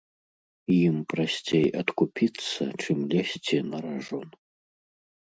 Ім прасцей адкупіцца, чым лезці на ражон.